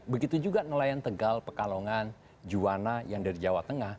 begitu juga nelayan tegal pekalongan juwana yang dari jawa tengah